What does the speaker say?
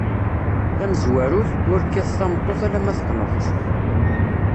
Tamezwarut: Ur kkat tameṭṭut alemma teqneḍ-tt.